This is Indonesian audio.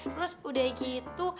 terus udah gitu